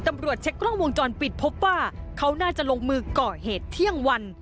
ตำรวจเช็คกล้องวงจรปิดพบว่าเขาน่าจะลงมือก่อเหตุเที่ยงวัน